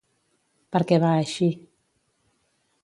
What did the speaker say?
Per què va eixir?